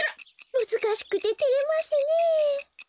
むずかしくててれますねえ。